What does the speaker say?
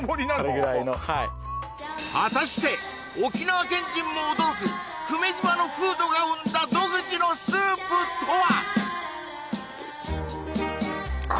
あれぐらいのはい果たして沖縄県人も驚く久米島の風土が生んだ独自のスープとは？